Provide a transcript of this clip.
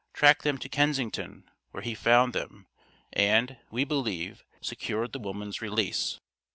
tracked them to Kensington, where he found them, and, we believe, secured the woman's release.